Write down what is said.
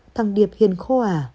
thằng điệp hiền khô à